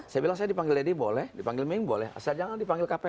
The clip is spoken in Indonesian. saya bilang saya dipanggil deddy boleh dipanggil miing boleh saya jangan dipanggil kpk aja